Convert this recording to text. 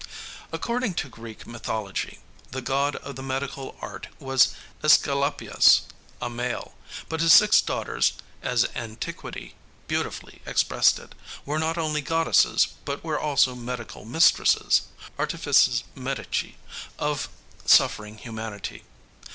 According to Greek mythology, the god of the medical art was Æsculapius, a male; but his six daughters, as antiquity beautifully expressed it, were not only goddesses but were also medical mistresses artifices medici of suffering humanity.